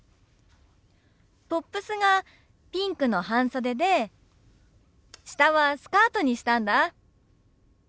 トップスがピンクの半袖で下はスカートにしたんだ。